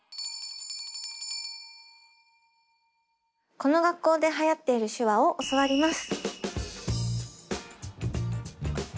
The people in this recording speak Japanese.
この学校で流行っている手話を教わります。